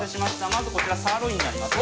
まずこちらサーロインになりますね。